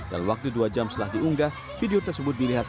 dan waktu dua jam setelah diunggah video tersebut dilihat